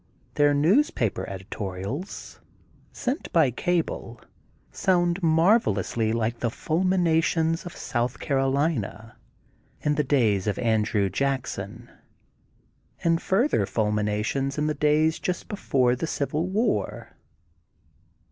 Their newspaper editorials, sent by cable, sound marvelously like the fulminations of South Carolina in^the days of Andrew Jackson, and further fulminations in the days just before the Civil War.